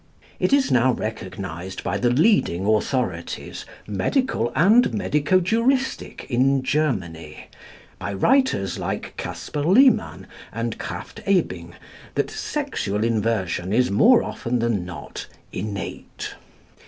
It is now recognised by the leading authorities, medical and medico juristic, in Germany, by writers like Casper Liman and Krafft Ebing, that sexual inversion is more often than not innate.